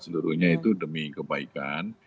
seluruhnya itu demi kebaikan